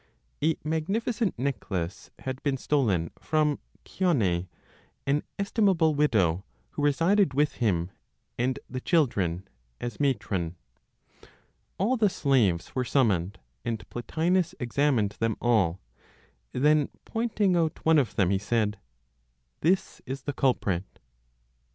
A magnificent necklace had been stolen from Chione, an estimable widow, who resided with him and the children (as matron?). All the slaves were summoned, and Plotinos examined them all. Then, pointing out one of them, he said, "This is the culprit."